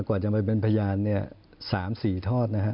กว่าจะไปเป็นพยานเนี่ย๓๔ทอดนะฮะ